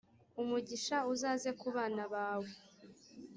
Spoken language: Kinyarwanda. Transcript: umugisha uzaze ku bana bawe,